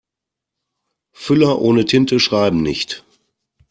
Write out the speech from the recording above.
Füller ohne Tinte schreiben nicht.